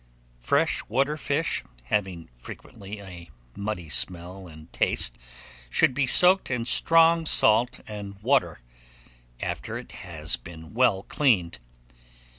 Fresh water fish, having frequently a muddy smell and taste, should be soaked in strong salt and water, after it has been well cleaned.